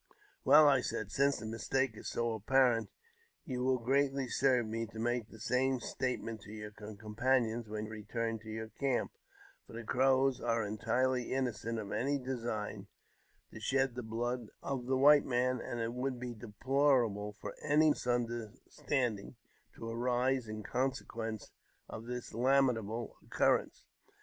" Well," I said, " since the mistake is so apparent, you will greatly serve me to make the same statement to your com panions when you return to your camp ; for the Crows are entirely innocent of any design to shed the blood of the white man, and it would be deplorable for any misunderstanding to arise in consequence of this lamentable occurrence."